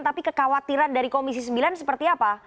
tapi kekhawatiran dari komisi sembilan seperti apa